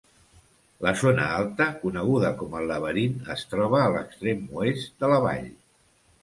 La zona alta, coneguda com el Laberint, es troba a l'extrem oest de la vall.